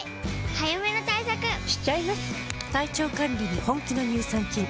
早めの対策しちゃいます。